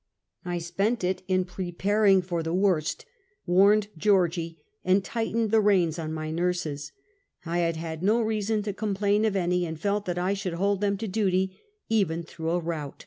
I spent it in preparing for the worst, warned Geor gie, and tightened the reins on my nurses. I had had no reason to complain of any, and felt tliat I should hold them to duty, even through a rout.